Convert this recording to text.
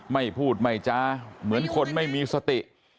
ไม่พูดไม่จ้าเหมือนคนไม่มีสติ